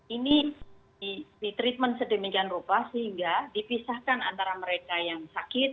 ini di treatment sedemikian rupa sehingga dipisahkan antara mereka yang sakit